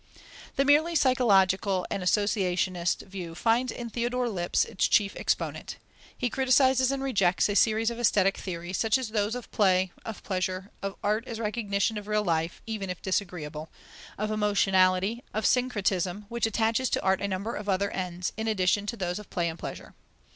The merely psychological and associationist view finds in Theodore Lipps its chief exponent. He criticizes and rejects a series of aesthetic theories, such as those of play, of pleasure, of art as recognition of real life, even if disagreeable, of emotionality, of syncretism, which attaches to art a number of other ends, in addition to those of play and of pleasure.